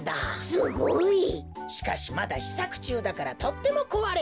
すごい！しかしまだしさくちゅうだからとってもこわれやすいのだ。